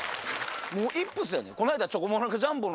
もうイップスやねん。